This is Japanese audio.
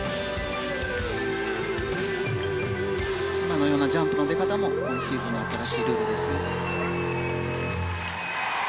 あのようなジャンプの出方も今シーズンの新しいルールですね。